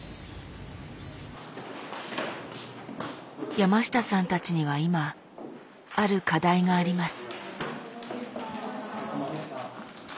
山下さんたちには今ある課題があります。